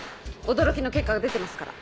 驚きの結果が出てますから。